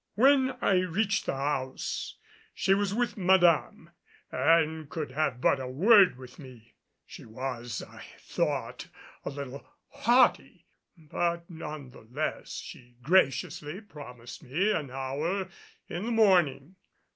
When I reached the house she was with Madame and could have but a word with me. She was, I thought, a little haughty; but none the less, she graciously promised me an hour in the morning.